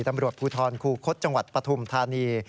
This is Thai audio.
ตำรวจภูทรคูคศจังหวัดปฐุมธานี